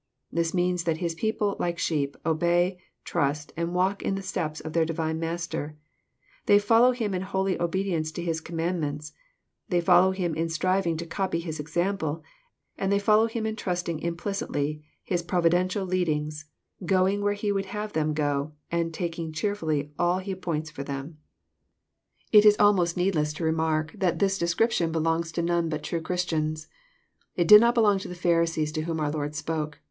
This means that His people, like sheep, obey, trust, and walk in the steps of their Divine Master. They follow Him in holy obedience to His command ments; they follow Him in striving to copy His example; and they follow Him in trusting impU'^itlyHis providential leadings, — going where He would have them go, and taking cheerfUUy all He appoints for them. jom/, CHAP. X. 211 It is almost needless to remark that this description belongs to none bat true Christians. It did not belong to the Pharisees to whom our Lord spoke.